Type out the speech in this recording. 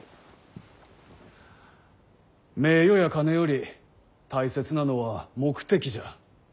名誉や金より大切なのは目的じゃ。